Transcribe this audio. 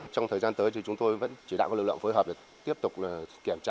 trong thời gian tới thì chúng tôi vẫn chỉ đạo các lực lượng phối hợp để tiếp tục kiểm tra